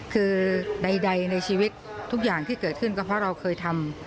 คือใดในชีวิตทุกอย่างที่เกิดขึ้นก็เพราะเราเคยทำ